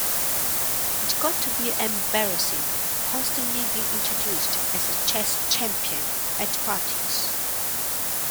It got to be embarrassing, constantly being introduced as a chess champion at parties.